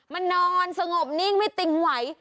มันนอนสงบนิ่งไม่ติ้งไหว